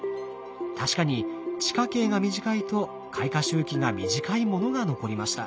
確かに地下茎が短いと開花周期が短いものが残りました。